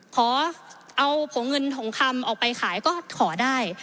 ขอเอาผงเงินทองคำออกไปขายก็ขอได้